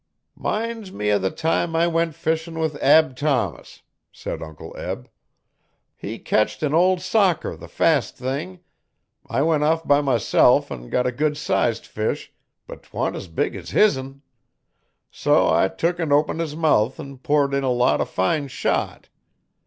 ''Minds me o' the time I went fishin' with Ab Thomas,' said Uncle Eb. 'He ketched an ol' socker the fast thing. I went off by myself 'n got a good sized fish, but 'twant s' big 's hisn. So I tuk 'n opened his mouth n poured in a lot o' fine shot.